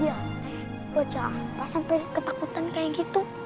dia baca apa sampai ketakutan kayak gitu